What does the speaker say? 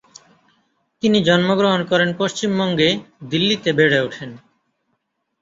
তিনি জন্মগ্রহণ করেন পশ্চিমবঙ্গে দিল্লিতে বেড়ে ওঠেন।